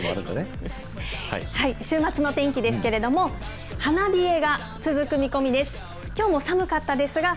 週末の天気ですけれども、花冷えが続く見込みです。